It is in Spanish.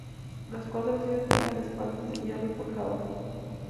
Las cuatro sillas tienen respaldos de hierro forjado.